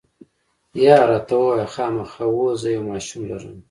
یا، راته ووایه، خامخا؟ هو، زه یو ماشوم لرم.